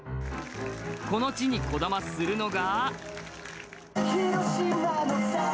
この地にこだまするのが。